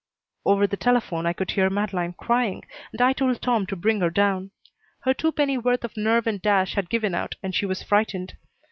Over the telephone I could hear Madeleine crying and I told Tom to bring her down. Her two penny worth of nerve and dash had given out and she was frightened.